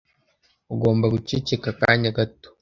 Ugomba guceceka akanya gato.